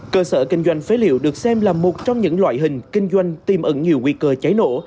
cơ sở kinh doanh phế liệu được xem là một trong những loại hình kinh doanh tiềm ẩn nhiều nguy cơ cháy nổ